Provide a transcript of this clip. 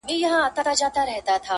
• سرکښي یې له ازله په نصیب د تندي سوله,